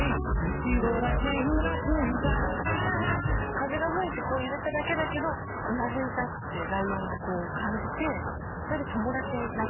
風が吹いてこう揺れただけだけどうなずいたってライオンが感じてそれで。